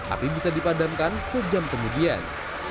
api bisa dipadamkan sejam kemudian